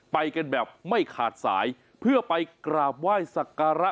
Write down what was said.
ไปกันแบบไม่ขาดสายเพื่อไปกราบไหว้สักการะ